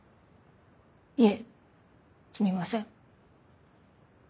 いえすみません。